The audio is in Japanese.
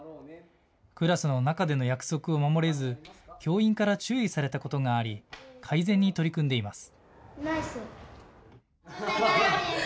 クラスの中での約束を守れず教員から注意されたことがあり改善に取り組んでいます。